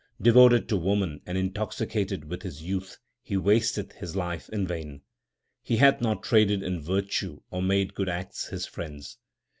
Devoted to woman and intoxicated with his youth he wasteth his life in vain. He hath not traded in virtue or made good acts his friends.